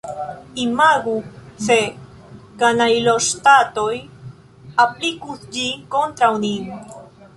Imagu se kanajloŝtatoj aplikus ĝin kontraŭ nin!